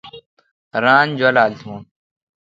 ران جولال تھون۔